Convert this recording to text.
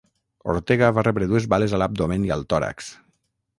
Ortega va rebre dues bales a l'abdomen i al tòrax.